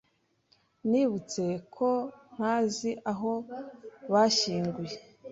Nibutse ko ntazi aho bashyinguye